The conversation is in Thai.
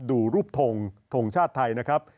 ดูรูปทงทงชาติไทยนะครับ